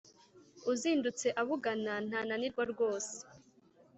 Uzindutse abugana ntananirwa rwose